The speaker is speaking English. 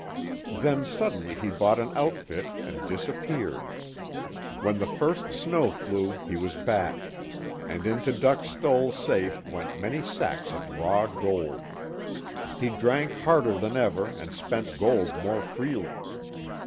Then suddenly he bought an outfit and disappeared. When the first snow flew he was back, and into Dick Stoell's safe went many sacks of raw gold. He drank harder than ever and spent gold more freely.